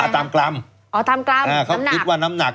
เป็นตามซองหรือตามมวลหรือยังไงตามกล้ำเขาคิดว่าน้ำหนัก